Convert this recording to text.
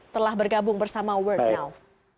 telah bergabung bersama worldnow